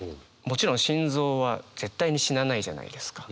もちろん心臓は絶対に死なないじゃないですか。